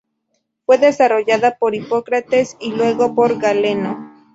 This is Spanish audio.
Fue desarrollada por Hipócrates y luego por Galeno.